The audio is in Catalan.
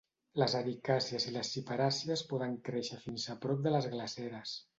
Les ericàcies i ciperàcies poden créixer fins a prop de les glaceres.